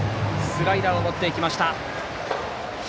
スライダーを持っていきました。